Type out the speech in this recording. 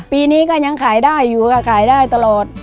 ปีนี้ก็ยังขายได้อยู่ค่ะขายได้ตลอด